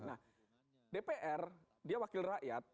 nah dpr dia wakil rakyat